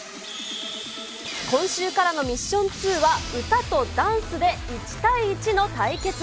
今週からのミッション２は、歌とダンスで１対１の対決。